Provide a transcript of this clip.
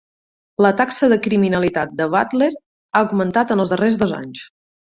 La taxa de criminalitat de Butler ha augmentat en els darrers dos anys.